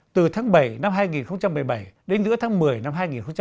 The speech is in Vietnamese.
từ tháng bảy năm hai nghìn một mươi bảy đến giữa tháng một mươi năm hai nghìn một mươi tám